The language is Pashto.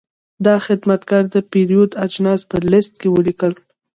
دا خدمتګر د پیرود اجناس په لېست کې ولیکل.